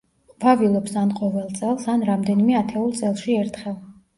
ყვავილობს ან ყოველ წელს, ან რამდენიმე ათეულ წელში ერთხელ.